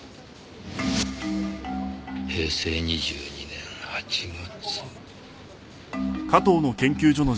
「平成２２年８月」。